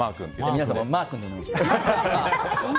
皆さんもまー君でお願いします。